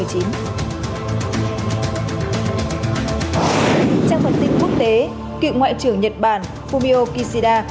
trong phần tin quốc tế cựu ngoại trưởng nhật bản fumio kishida